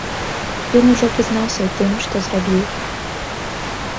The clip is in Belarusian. Ён ужо прызнаўся ў тым, што зрабіў.